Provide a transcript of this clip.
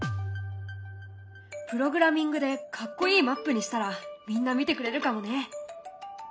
プログラミングでかっこいいマップにしたらみんな見てくれるかもね。